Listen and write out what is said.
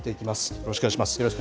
よろしくお願いします。